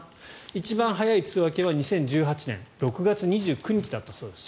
一番早い梅雨明けは２０１８年６月２９日だったそうです。